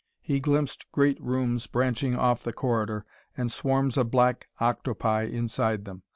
He glimpsed great rooms branching off the corridor, and swarms of black octopi inside them.